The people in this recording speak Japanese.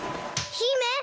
姫！